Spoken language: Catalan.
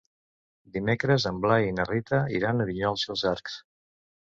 Dimecres en Blai i na Rita iran a Vinyols i els Arcs.